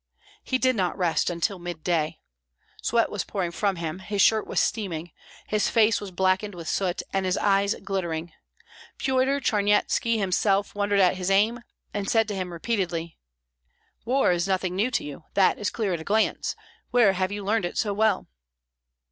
He did not rest until midday. Sweat was pouring from him, his shirt was steaming; his face was blackened with soot, and his eyes glittering. Pyotr Charnyetski himself wondered at his aim, and said to him repeatedly, "War is nothing new to you; that is clear at a glance. Where have you learned it so well?"